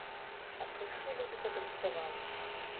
А прыйшлі людзі падрыхтаваныя.